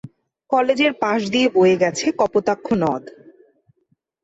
কলেজের পাশ দিয়ে বয়ে গেছে কপোতাক্ষ নদ।